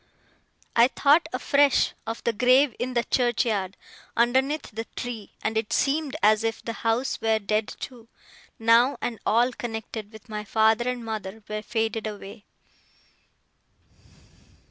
I thought afresh of the grave in the churchyard, underneath the tree: and it seemed as if the house were dead too, now, and all connected with my father and mother were faded away.